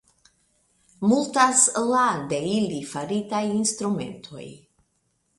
Multas la de ili faritaj instrumentoj.